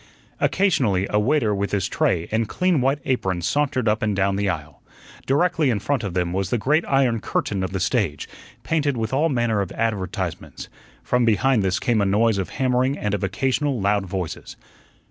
Occasionally a waiter with his tray and clean white apron sauntered up and doun the aisle. Directly in front of them was the great iron curtain of the stage, painted with all manner of advertisements. From behind this came a noise of hammering and of occasional loud voices.